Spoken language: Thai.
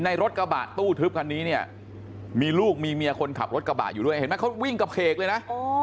รถกระบะตู้ทึบคันนี้เนี่ยมีลูกมีเมียคนขับรถกระบะอยู่ด้วยเห็นไหมเขาวิ่งกระเพกเลยนะ